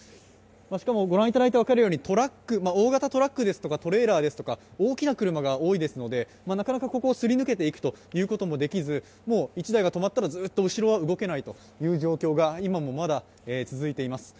しかも、大型トラックですとかトレーラーですとか大きな車が多いですのでなかなかここをすり抜けていくということはできずもう１台が止まったらずっと後ろは動けない状況が今もまだ続いています